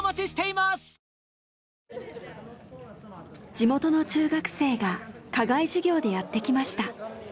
地元の中学生が課外授業でやってきました。